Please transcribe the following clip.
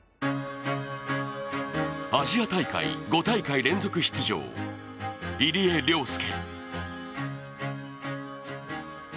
アジア大会５大会連続出場、入江陵介。